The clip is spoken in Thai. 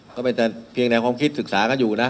ก็จะเพียงแนวความคิดศึกษากันอยู่นะ